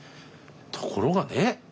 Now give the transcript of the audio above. ところがねえ